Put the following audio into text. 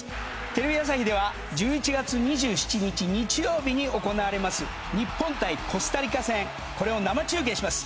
テレビ朝日では１１月２７日日曜日に行われます日本対コスタリカ戦これを生中継します。